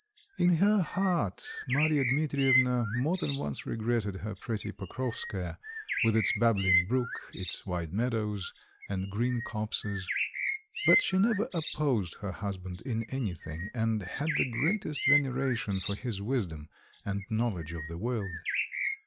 In her heart Marya Dmitrievna more than once regretted her pretty Pokrovskoe, with its babbling brook, its wide meadows, and green copses; but she never opposed her husband in anything and had the greatest veneration for his wisdom and knowledge of the world.